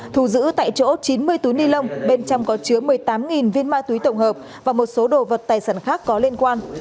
thu giữ tại chỗ chín mươi túi ni lông bên trong có chứa một mươi tám viên ma túy tổng hợp và một số đồ vật tài sản khác có liên quan